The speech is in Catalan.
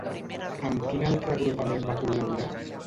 Amb quin altre agrupament va col·laborar?